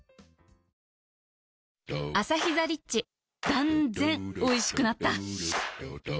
断然おいしくなった